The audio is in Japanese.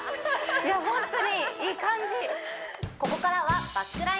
いやホントにいい感じ